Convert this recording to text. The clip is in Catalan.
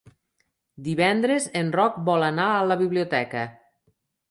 Divendres en Roc vol anar a la biblioteca.